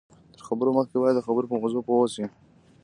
تر خبرو مخکې باید د خبرو په موضوع پوه واوسئ